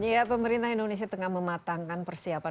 ya pemerintah indonesia tengah mematangkan persiapan